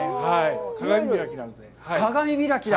鏡開きだ！